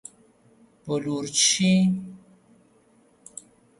بلورچی